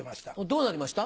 どうなりました？